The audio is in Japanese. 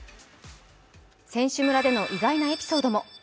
選手村での意外なエピソードも。